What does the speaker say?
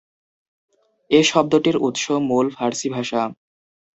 এ শব্দটির উৎস-মূল ফার্সি ভাষা।